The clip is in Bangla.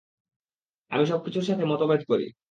আমি সবকিছুর সাথে মতভেদ করি।